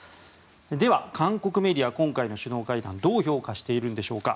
では、韓国メディア今回の首脳会談をどう評価しているのでしょうか。